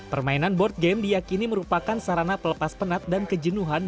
permainan board game diakini merupakan sarana pelepas penat dan kejenuhan